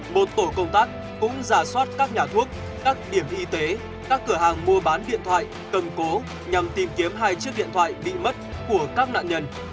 một tổ công tác cũng giả soát các nhà thuốc các điểm y tế các cửa hàng mua bán điện thoại cần cố nhằm tìm kiếm hai chiếc điện thoại bị mất của các nạn nhân